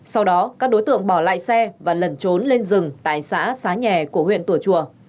sau đó các đối tượng bỏ lại xe và lẩn trốn lên rừng tại xã xá nhà của huyện tùa chùa